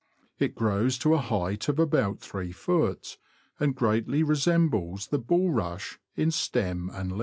It grows to a height of about 3ft., and greatly resembles the bulrush in stem and leaves.